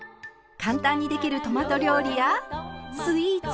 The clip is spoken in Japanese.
簡単にできるトマト料理やスイーツ。